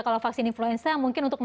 kalau vaksin influenza mungkin untuk